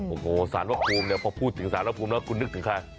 โอ้โหสารพระภูมิเนี่ยพอพูดถึงสารภูมิแล้วคุณนึกถึงใคร